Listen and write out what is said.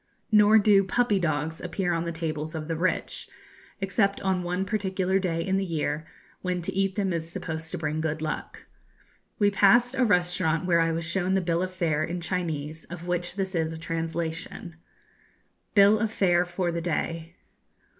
Nor do 'puppy dogs' appear on the tables of the rich, except on one particular day in the year, when to eat them is supposed to bring good luck. We passed a restaurant where I was shown the bill of fare in Chinese of which this is a translation: BILL OF FARE FOR THE DAY.